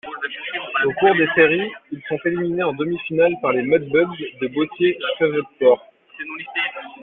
Au cours des séries, ils sont éliminés en demi-finales par les Mudbugs de Bossier-Shreveport.